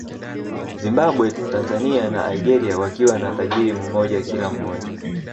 Zimbambwe Tanzania na Algeria wakiwa na tajiri mmoja kila mmoja